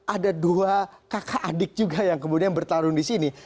ada dua kakak adik juga yang kemudian bertarung disini